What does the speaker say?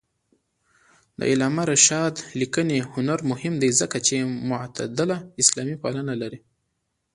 د علامه رشاد لیکنی هنر مهم دی ځکه چې معتدله اسلاميپالنه لري.